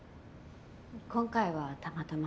今回はたまたま。